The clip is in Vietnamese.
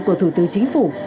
của thủ tướng chính phủ